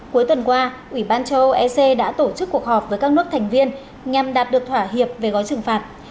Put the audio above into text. cuối tuần qua ủy ban châu âu ec đã tổ chức cuộc họp với các nước thành viên nhằm đạt được thỏa hiệp về gói trừng phạt